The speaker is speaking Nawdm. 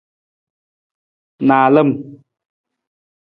Naalam.